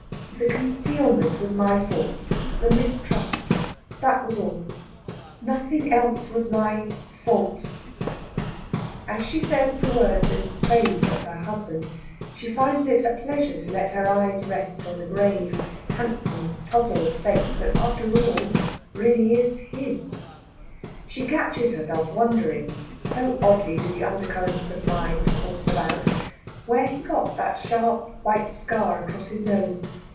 "The concealment was my fault the mistrust. That was all. Nothing else was my fault." As she says the words in praise of her husband she finds it a pleasure to let her eyes rest on the grave, handsome, puzzled face that, after all, really is his. She catches herself wondering so oddly do the undercurrents of mind course about where he got that sharp white scar across his nose.